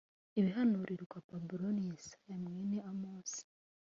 Ibihanurirwa Babuloni Yesaya mwene Amosi